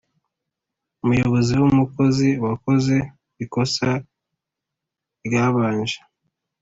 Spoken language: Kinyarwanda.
umuyobozi w umukozi wakoze ikosa ryabanje